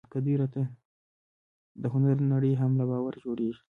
د هنر نړۍ هم له باور جوړېږي.